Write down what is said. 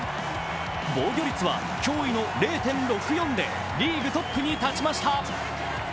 防御率は驚異の０．６４でリーグトップに立ちました。